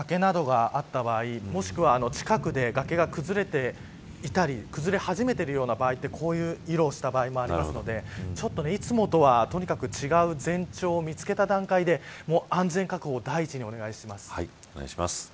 近くに崖などなどがあった場合もしくは、近くで崖が崩れていたり崩れ始めているような場合ってこういう色をした場合もあるのでいつもとは、とにかく違う前兆を見つけた段階で安全確保を第一にお願いします。